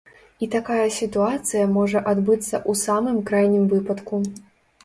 І такая сітуацыя можа адбыцца ў самым крайнім выпадку.